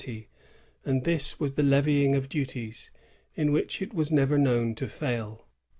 5 ity; and this was the leyying of duties, in which it was never known to fail.